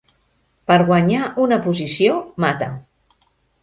Per guanyar una posició, mata!